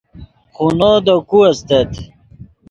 خونو دے کو استت